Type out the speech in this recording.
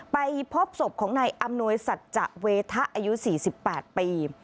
ไปพบศพของนายอำนวยสัจจะเวทะอายุ๔๘ปี